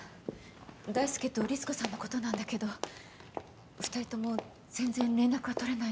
大介とリツコさんのことなんだけど２人とも全然連絡が取れないの。